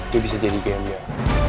dia bisa jadi gamer